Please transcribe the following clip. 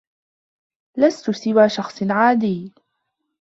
لستُ سوى شخص عاديّ.